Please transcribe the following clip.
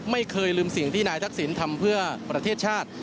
ไม่เคยลืมสิ่งที่นายทักษิณทำเพื่อประเทศชาติ